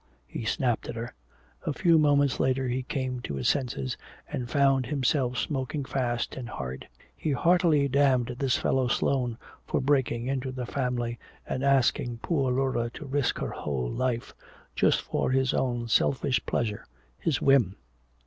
he snapped at her. A few moments later he came to his senses and found himself smoking fast and hard. He heartily damned this fellow Sloane for breaking into the family and asking poor Laura to risk her whole life just for his own selfish pleasure, his whim!